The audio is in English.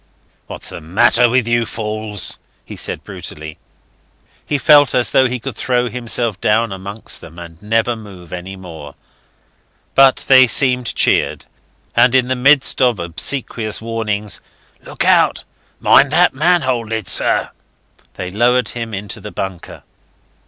"What's the matter with you fools?" he said brutally. He felt as though he could throw himself down amongst them and never move any more. But they seemed cheered; and in the midst of obsequious warnings, "Look out! Mind that manhole lid, sir," they lowered him into the bunker.